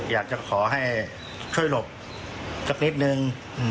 อยากจะขอให้ช่วยหลบสักนิดนึง